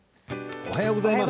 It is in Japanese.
おはようございます。